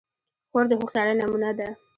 خور د هوښیارۍ نمونه ده.